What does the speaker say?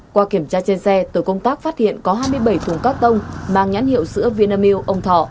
qua kiểm tra trên xe tổ công tác phát hiện có hai mươi bảy thùng cotton mang nhãn hiệu sữa vietnam milk ông thọ